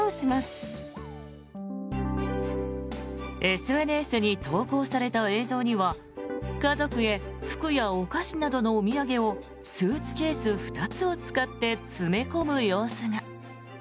ＳＮＳに投稿された映像には家族へ服やお菓子などのお土産をスーツケース２つを使って詰め込む様子が。